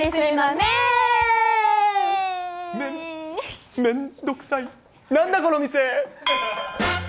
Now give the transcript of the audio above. めん、めんどくさい、なんだ、この店。